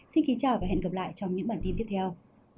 xin kính chào và hẹn gặp lại trong những bản tin tiếp theo